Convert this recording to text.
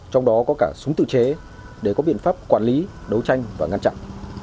trong đó có cả súng tự chế để có biện pháp quản lý đấu tranh và ngăn chặn